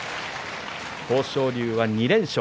豊昇龍、２連勝。